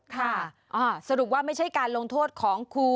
ค่ะสรุปว่าไม่ใช่การลงโทษของครู